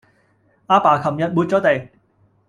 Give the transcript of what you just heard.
阿爸琴日抹咗地